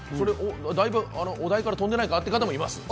お題から飛んでいないかというような方もいます。